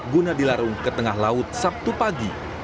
guna dilarung ke tengah laut sabtu pagi